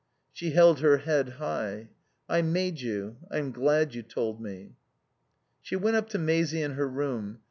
She held her head high. "I made you. I'm glad you told me." She went up to Maisie in her room.